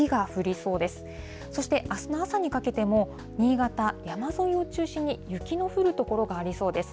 そしてあすの朝にかけても、新潟、山沿いを中心に雪の降る所がありそうです。